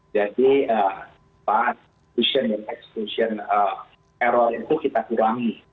jadi execution error itu kita kurangi